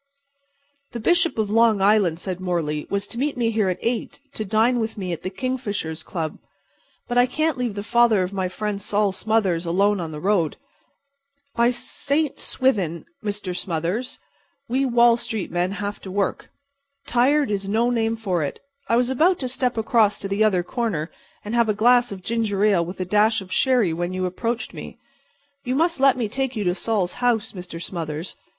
"The Bishop of Long Island," said Morley, "was to meet me here at 8 to dine with me at the Kingfishers' Club. But I can't leave the father of my friend Sol Smothers alone on the street. By St. Swithin, Mr. Smothers, we Wall street men have to work! Tired is no name for it! I was about to step across to the other corner and have a glass of ginger ale with a dash of sherry when you approached me. You must let me take you to Sol's house, Mr. Smothers.